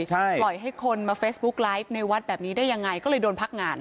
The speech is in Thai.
ใช่ปล่อยให้คนมาเฟซบุ๊กไลฟ์ในวัดแบบนี้ได้ยังไงก็เลยโดนพักงาน